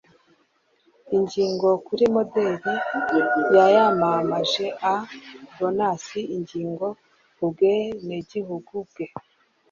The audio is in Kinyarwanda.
Ingingo Kuri Model Yayamamaje A Bonus Ingingo Kubwenegihugu bwe